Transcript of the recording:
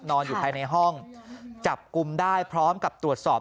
อยู่ภายในห้องจับกลุ่มได้พร้อมกับตรวจสอบ